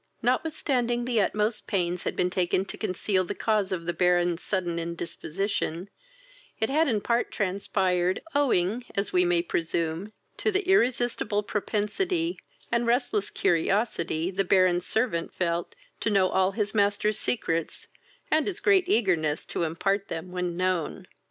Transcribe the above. Notwithstanding the utmost pains had been taken to conceal the cause of the Baron's sudden indisposition, it had in part transpired, owing, as we may presume, to the irresistible propensity, and restless curiosity, the Baron's servant felt to know all his master's secrets, and his great eagerness to impart them when known.